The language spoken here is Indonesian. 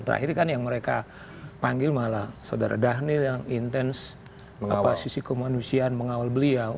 terakhir kan yang mereka panggil malah saudara dhanil yang intens sisi kemanusiaan mengawal beliau